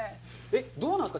どうなんですか？